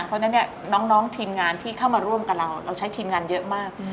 เพราะฉะนั้นเนี่ยน้องทีมงานที่เข้ามาร่วมกับเราเราใช้ทีมงานเยอะมาก